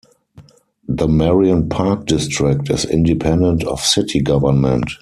The Marion Park District is independent of city government.